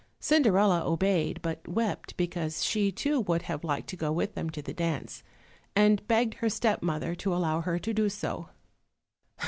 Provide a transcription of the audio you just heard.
Cinderella obeyed, but wept, because she too would have liked to go with them to the dance, and begged her step mother to allow her to do so.